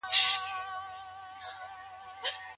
هلته کرکه ځای نلري چي حقوق خوندي وي.